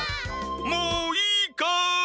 もういいかい？